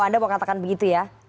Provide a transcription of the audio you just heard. anda mau katakan begitu ya